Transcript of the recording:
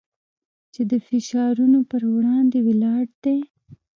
چې د فشارونو پر وړاندې ولاړ دی.